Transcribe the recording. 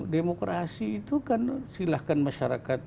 demokrasi itu kan silahkan masyarakat